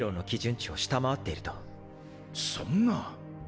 そんな。